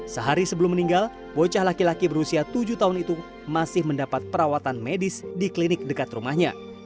sehari sebelum meninggal bocah laki laki berusia tujuh tahun itu masih mendapat perawatan medis di klinik dekat rumahnya